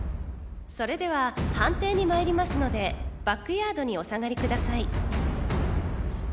それでは判定に参りますのでバックヤードにお下がりください。